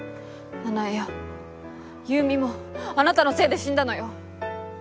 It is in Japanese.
奈々江や優美もあなたのせいで死んだのよ。